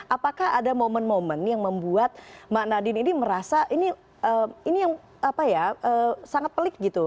apakah ada momen momen yang membuat mak nadine ini merasa ini yang sangat pelik gitu